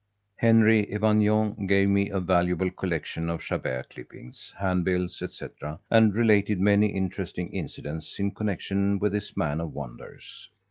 Henry Evanion gave me a valuable collection of Chabert clippings, hand bills, etc., and related many interesting incidents in connection with this man of wonders.